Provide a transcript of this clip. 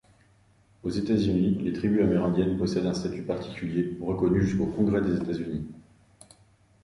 Aux États-Unis, les tribus amérindiennes possèdent un statut particulier reconnues jusqu'au Congrès des États-Unis.